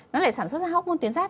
nó lại sản xuất ra hốc môn tuyến giáp